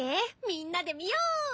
みんなで見よう！